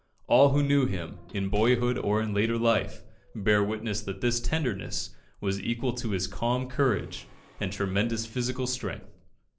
All who knew him, in boyhood or in later life, bear witness that this tenderness was equal to his calm courage and tremendous physical strength.